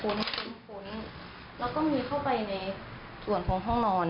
ค้นแล้วก็มีเข้าไปในส่วนของห้องนอน